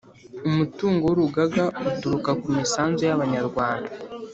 Umutungo w urugaga uturuka ku misanzu yabanywarwanda